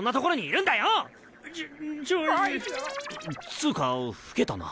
つか老けたな。